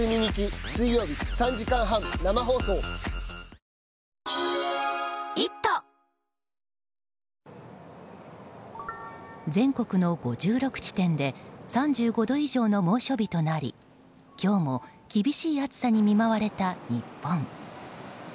黒いパイプから全国の５６地点で３５度以上の猛暑日となり今日も厳しい暑さに見舞われた日本。